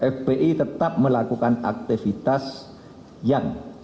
fpi tetap melakukan aktivitas yang